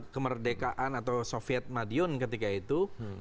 kemerdekaan atau soviet madiun ketika itu